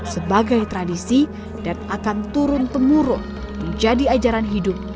sebagai tradisi dan akan turun temurun menjadi ajaran hidup